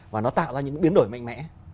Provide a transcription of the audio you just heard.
và nó tạo ra những biến đổi mạnh mẽ